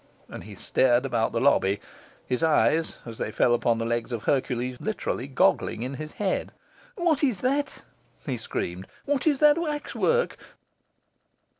And he stared about the lobby, his eyes, as they fell upon the legs of Hercules, literally goggling in his head. 'What is that?' he screamed. 'What is that waxwork?